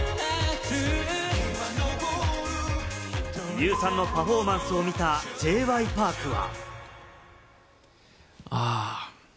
ユウさんのパフォーマンスを見た、Ｊ．Ｙ．Ｐａｒｋは。